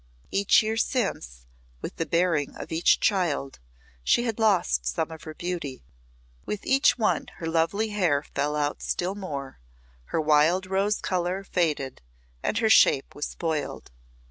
Each year since, with the bearing of each child, she had lost some of her beauty. With each one her lovely hair fell out still more, her wild rose colour faded, and her shape was spoiled.